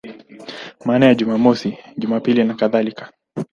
Maana ya Jumamosi, Jumapili nakadhalika.